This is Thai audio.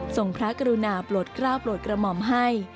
ส่งพระกรุณาโปรดกล้าวโปรดกระหม่อมให้